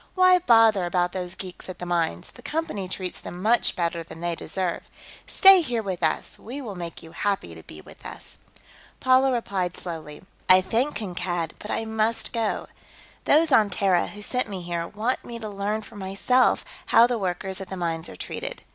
Why bother about those geeks at the mines; the Company treats them much better than they deserve. Stay here with us; we will make you happy to be with us." Paula replied slowly: "I thank Kankad, but I must go. Those on Terra who sent me here want me to learn for myself how the workers at the mines are treated.